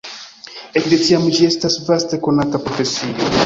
Ekde tiam ĝi estas vaste konata profesio.